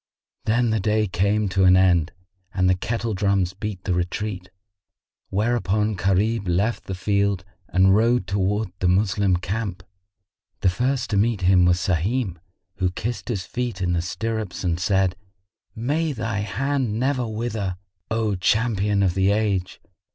Then the day came to an end and the kettle drums beat the retreat; whereupon Gharib left the field and rode towards the Moslem camp. The first to meet him was Sahim, who kissed his feet in the stirrups and said, "May thy hand never wither, O champion of the age!